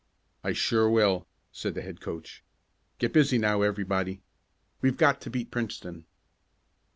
"I sure will," said the head coach. "Get busy now, everybody. We've got to beat Princeton!"